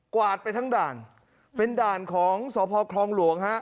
วาดไปทั้งด่านเป็นด่านของสพคลองหลวงฮะ